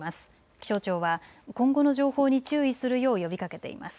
気象庁は今後の情報に注意するよう呼びかけています。